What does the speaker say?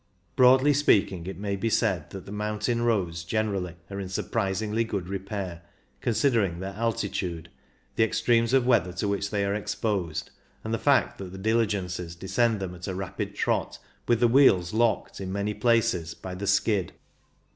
Broadly speaking, it may be said that the mountain roads generally are in surprisingly good repair, considering their altitude, the extremes of weather to which they are exposed, and the fact that the diligences descend them at a rapid trot with the wheels locked, in many places, by the "skid."